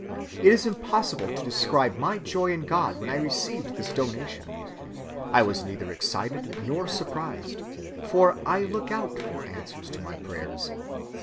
It is impossible to describe my joy in God when I received this donation. I was neither excited nor surprised; for I look out for answers to my prayers.